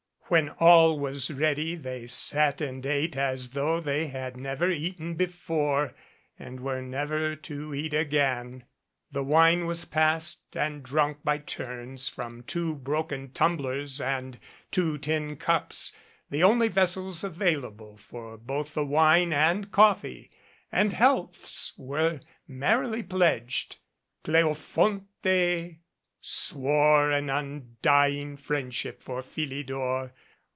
When all was ready they sat and ate as though they had never eaten before and were never to eat again. The wine was passed and drunk by turns from two broken tumblers and two tin cups, the only vessels available for both the wine and coffee, and healths were merrily pledged. Cleofonte swore an undying friendship for Phili dor.